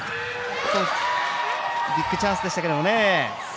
ビッグチャンスでしたけれどもね。